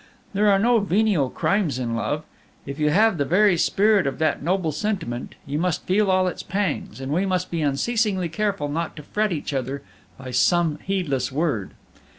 There are no venial crimes in love! If you have the very spirit of that noble sentiment, you must feel all its pangs, and we must be unceasingly careful not to fret each other by some heedless word.